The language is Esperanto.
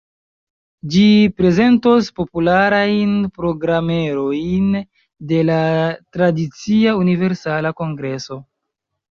Ĝi prezentos popularajn programerojn de la tradicia Universala Kongreso.